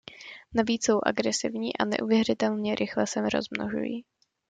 Navíc jsou agresivní a neuvěřitelně rychle se rozmnožují.